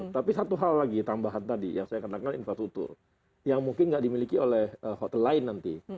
tapi satu hal lagi tambahan tadi yang saya katakan infrastruktur yang mungkin tidak dimiliki oleh hotel lain nanti